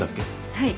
はい。